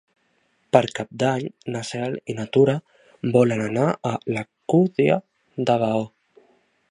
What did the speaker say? Per Cap d'Any na Cel i na Tura volen anar a l'Alcúdia de Veo.